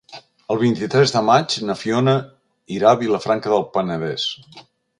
El vint-i-tres de maig na Fiona irà a Vilafranca del Penedès.